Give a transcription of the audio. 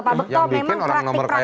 pak bekto memang praktik praktik